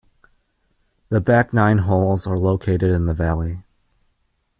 The back nine holes are located in the valley.